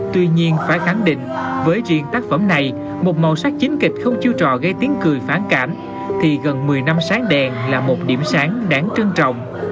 tuy nhiên phải khẳng định với riêng tác phẩm này một màu sắc chính kịch không chiêu trò gây tiếng cười phản cảm thì gần một mươi năm sáng đèn là một điểm sáng đáng trân trọng